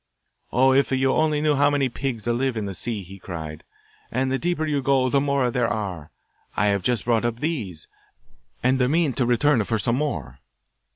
'Oh, if you only knew how many pigs live in the sea,' he cried. 'And the deeper you go the more there are. I have just brought up these, and mean to return for some more.